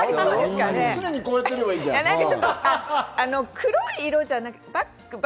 常にこうやっておけばいいんじゃない？